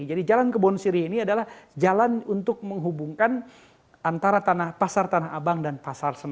jadi jalan kebon siri ini adalah jalan untuk menghubungkan antara pasar tanah abang dan pasar semen